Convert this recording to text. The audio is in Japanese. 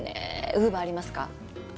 ウーバーありますか？